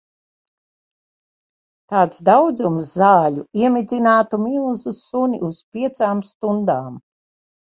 Tāds daudzums zaļu iemidzinātu milzu suni uz piecām stundām.